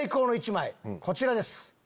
こちらです。